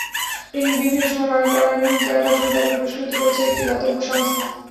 বিভিন্ন সময় মানবকল্যাণে ভূমিকা রাখার জন্য তাঁকে পুরস্কৃত করেছে একটি দাতব্য সংস্থা।